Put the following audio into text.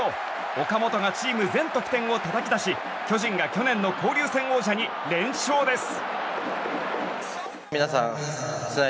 岡本がチーム全得点をたたき出し巨人が去年の交流戦王者に連勝です。